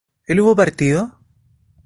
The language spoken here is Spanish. ¿él hubo partido?